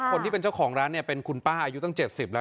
คนที่เป็นเจ้าของร้านเนี่ยเป็นคุณป้าอายุตั้ง๗๐แล้ว